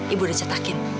ibu udah cetakin